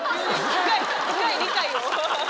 深い理解を。